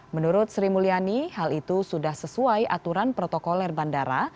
menurut sri mulyani hal itu sudah sesuai aturan protokol air bandara